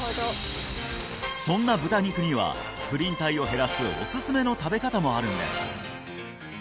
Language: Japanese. そんな豚肉にはプリン体を減らすおすすめの食べ方もあるんです